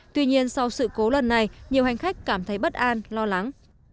tuy nhiên sau sự cố lần này nhiều hành khách cảm thấy bất an lo lắng